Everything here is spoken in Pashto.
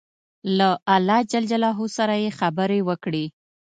له الله جل جلاله سره یې خبرې وکړې.